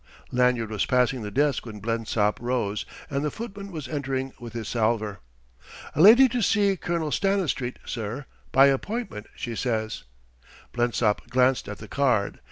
Lanyard was passing the desk when Blensop rose, and the footman was entering with his salver. "A lady to see Colonel Stanistreet, sir by appointment, she says." Blensop glanced at the card.